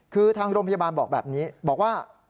คือทางโรงพยาบาลบอกแบบนี้บอกว่า